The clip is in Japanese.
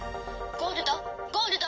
「ゴールド！